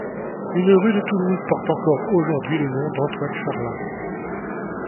Une rue de Toulouse porte encore aujourd’hui le nom d’Antoine Charlas.